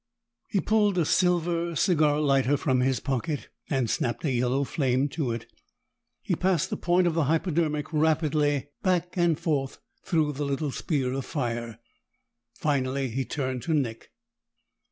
He pulled a silver cigar lighter from his pocket and snapped a yellow flame to it. He passed the point of the hypodermic rapidly back and forth through the little spear of fire. Finally he turned to Nick.